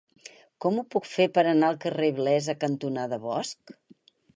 Com ho puc fer per anar al carrer Blesa cantonada Bosch?